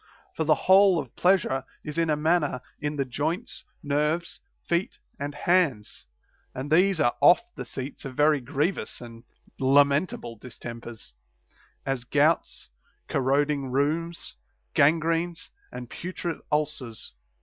For the whole of pleasure is in a manner in the joints, nerves, feet, and hands ; and these are oft the seats of very grievous and lamentable distempers, as gouts, corroding rheums, gangrenes, and putrid ulcers.